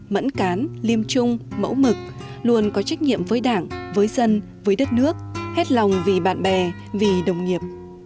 mẫn cán liêm trung mẫu mực luôn có trách nhiệm với đảng với dân với đất nước hết lòng vì bạn bè vì đồng nghiệp